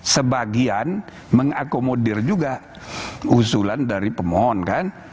sebagian mengakomodir juga usulan dari pemohon kan